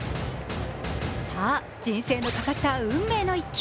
さぁ、人生のかかった運命の１球。